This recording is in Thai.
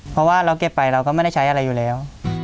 เพราะว่าเราเก็บไปเราก็ไม่ได้ใช้อะไรอยู่แล้ว